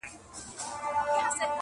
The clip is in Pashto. ورځه ویده سه موږ به څرک د سبا ولټوو--!